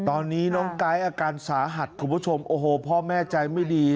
ตอนนี้น้องไก๊อาการสาหัสคุณผู้ชมโอ้โหพ่อแม่ใจไม่ดี